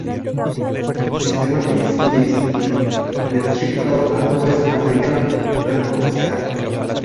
Systematic studies in Neotropical and West African Annonaceae".